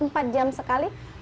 setidaknya harus sekitar empat jam